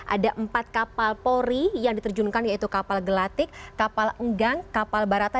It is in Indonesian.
ada empat kapal polri yang diterjunkan yaitu kapal gelatik kapal enggang kapal barata